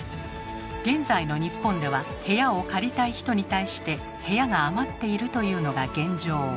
現在の日本では部屋を借りたい人に対して部屋が余っているというのが現状。